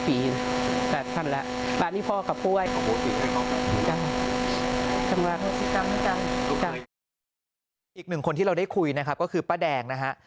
อีกหนึ่งคนที่เราได้คุยนะครับก็คือป้าแดงนะฮะ